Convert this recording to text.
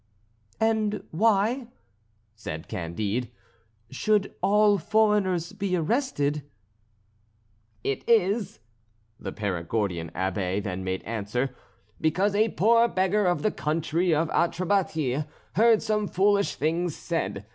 "And why," said Candide, "should all foreigners be arrested?" "It is," the Perigordian Abbé then made answer, "because a poor beggar of the country of Atrébatie heard some foolish things said.